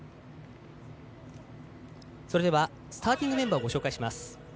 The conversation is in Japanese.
スターティングメンバーをご紹介します。